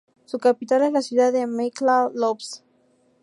Su capital es la ciudad de Michalovce.